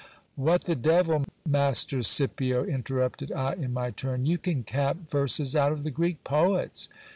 What the devil, Master Scipio, interrupted I in my turn, you can cap verses out of the Greek poets